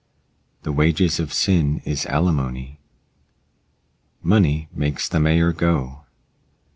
The wages of sin is alimony. Money makes the mayor go.